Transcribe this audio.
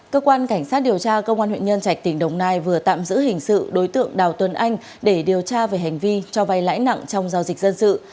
cơ quan cảnh sát điều tra công an huyện nhân trạch tỉnh đồng nai vừa tạm giữ hình sự đối tượng đào tuấn anh để điều tra về hành vi cho vay lãi nặng trong giao dịch dân sự